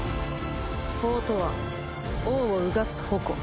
法とは王をうがつ矛。